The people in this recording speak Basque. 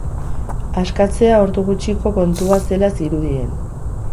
Askatzea ordu gutxiko kontua zela zirudien.